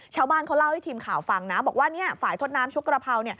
ชาวบ้านเขาเล่าให้ทีมข่าวฟังนะบอกว่าฝ่ายทดน้ำชุกกระเพรา